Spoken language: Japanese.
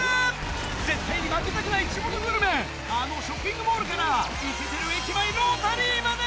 絶対に負けたくない地元グルメ、あのショッピングモールから、イケてる駅前ロータリーまで。